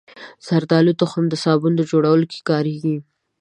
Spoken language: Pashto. زردالو تخم د صابون جوړولو کې کارېږي.